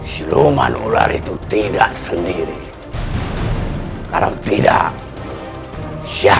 semua nular itu sudah dibebaskan temannya